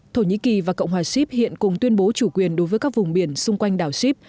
thổ nhĩ kỳ và cộng hòa sip hiện cùng tuyên bố chủ quyền đối với các vùng biển xung quanh đảo sip